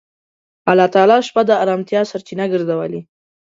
الله تعالی شپه د آرامتیا سرچینه ګرځولې.